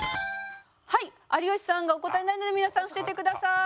はい有吉さんがお答えになるので皆さん伏せてください。